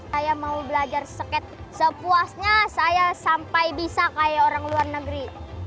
saya mau belajar skate sepuasnya saya sampai bisa kayak orang luar negeri